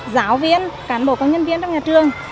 giáo viên cán bộ công nhân viên trong nhà trường